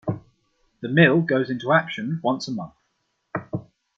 The mill goes into action once a month.